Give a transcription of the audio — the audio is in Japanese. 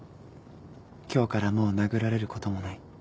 今日からもう殴られることもない。